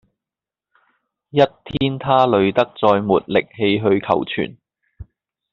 一天他累得再沒力氣去求存